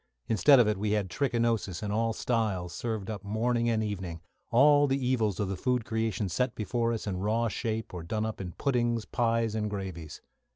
Instead of it we had trichinosis in all styles served up morning and evening all the evils of the food creation set before us in raw shape, or done up in puddings, pies, and gravies.